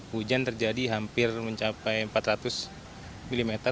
hujan terjadi hampir mencapai empat ratus mm